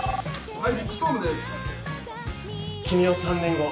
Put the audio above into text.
はい。